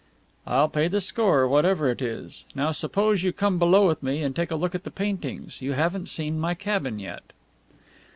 "I'll pay the score, whatever it is. Now suppose you come below with me and take a look at the paintings? You haven't seen my cabin yet."